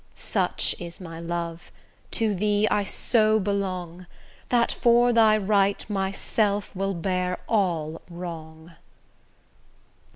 Such is my love, to thee I so belong, That for thy right, myself will bear all wrong.